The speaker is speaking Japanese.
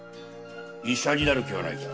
医者になる気はないか。